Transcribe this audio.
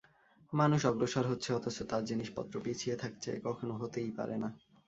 মানুষ অগ্রসর হচ্ছে অথচ তার জিনিসপত্র পিছিয়ে থাকছে, এ কখনো হতেই পারে না।